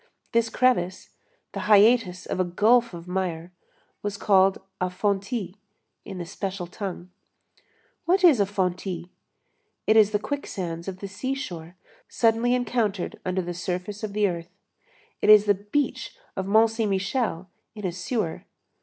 This crevice, the hiatus of a gulf of mire, was called a fontis, in the special tongue. What is a fontis? It is the quicksands of the seashore suddenly encountered under the surface of the earth; it is the beach of Mont Saint Michel in a sewer.